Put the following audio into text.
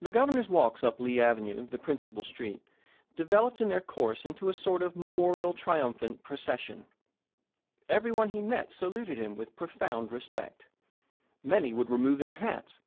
The Governor's walks up Lee Avenue, the principal street, developed in their course into a sort of memorial, triumphant procession. Everyone he met saluted him with profound respect. Many would remove their hats.